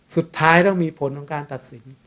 สุดท้ายต้องมีผลของการตัดสิน